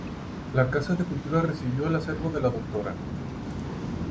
La Casa de Cultura recibió el acervo de la Dra.